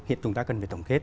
hiện chúng ta cần phải tổng kết